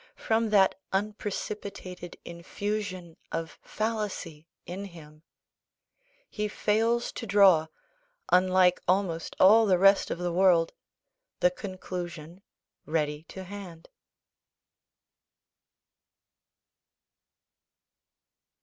from that unprecipitated infusion of fallacy in him he fails to draw, unlike almost all the rest of the world, the conclusion ready to hand.